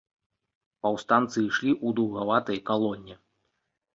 Паўстанцы ішлі ў даўгаватай калоне.